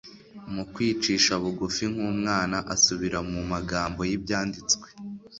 Mu kwicisha bugufi nk'umwana, asubira mu magambo y'ibyanditswe